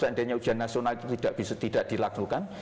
seandainya ujian nasional itu tidak bisa tidak dilakukan